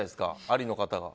ありの方が。